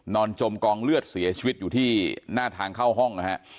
จมกองเลือดเสียชีวิตอยู่ที่หน้าทางเข้าห้องนะฮะ